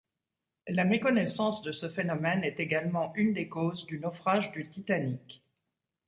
La méconnaissance de ce phénomène est également une des causes du naufrage du Titanic.